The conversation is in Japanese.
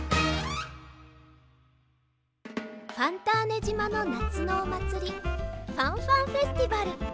ファンターネじまのなつのおまつりファンファンフェスティバル。